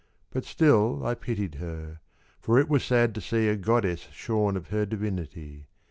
But still I pitied her, for it was sad to see A goddess shorn of her divinity.